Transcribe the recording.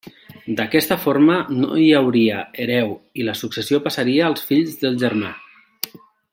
D'aquesta forma, no hi hauria hereu i la successió passaria als fills del germà.